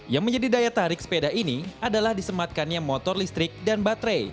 yang menjadi daya tarik sepeda ini adalah disematkannya motor listrik dan baterai